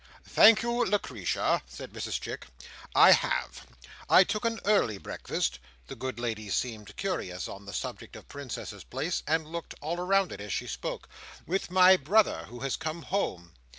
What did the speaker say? "Thank you, Lucretia," said Mrs Chick, "I have. I took an early breakfast"—the good lady seemed curious on the subject of Princess's Place, and looked all round it as she spoke—"with my brother, who has come home."